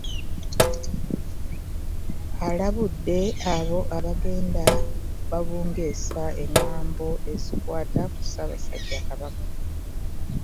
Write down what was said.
Alabudde abo abagenda babungeesa engambo ezikwata ku Ssaabasajja Kabaka.